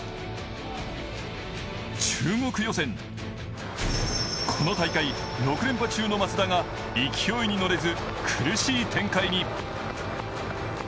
中国予選、この大会６連覇中のマツダが勢いに乗れず苦しい展開に。